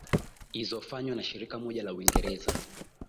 izofanywa na shirika moja la uingereza